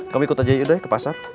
kamu ikut aja yuk doi ke pasar